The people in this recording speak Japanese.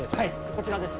こちらです